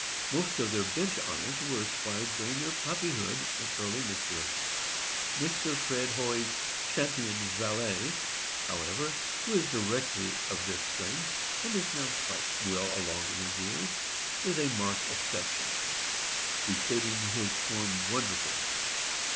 Most of their bench honors were acquired during their puppyhood and early maturity. Mr. Fred Hoey's Champion Valet, however, who is directly of this strain, and is now quite well along in years, is a marked exception, retaining his form wonderfully.